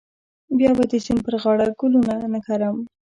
بیا به د سیند پر غاړه ګلونه نه کرم.